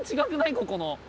ここの。